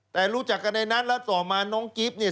แต่รู้จักกันในนัทแล้วต่อมาน้องกิ๊บเนี่ย